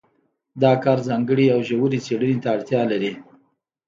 دا کار ځانګړې او ژورې څېړنې ته اړتیا لري.